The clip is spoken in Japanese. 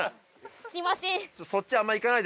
すいません。